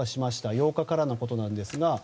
８日からのことなんですが。